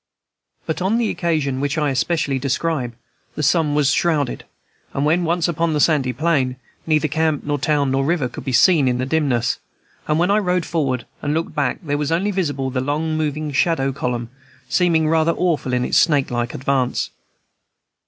But on the occasion which I especially describe the sun was shrouded, and, when once upon the sandy plain, neither camp nor town nor river could be seen in the dimness; and when I rode forward and looked back there was only visible the long, moving, shadowy column, seeming rather awful in its snake like advance.